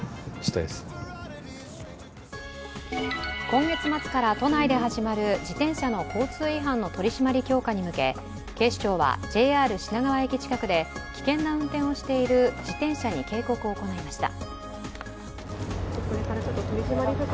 今月末から都内で始まる自転車の交通違反の取り締まり強化に向け、警視庁はＪＲ品川駅近くで危険な運転をしている自転車に警告を行いました。